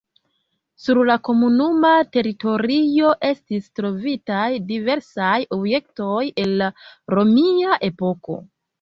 Sur la komunuma teritorio estis trovitaj diversaj objektoj el la romia epoko.